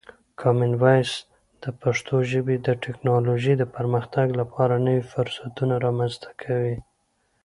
کامن وایس د پښتو ژبې د ټکنالوژۍ د پرمختګ لپاره نوی فرصتونه رامنځته کوي.